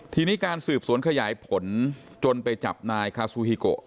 ทีนี้การสืบสวนขยายผลจนไปจับนายคาซูฮิโก